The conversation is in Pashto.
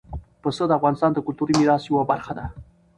پسه د افغانستان د کلتوري میراث یوه برخه ده.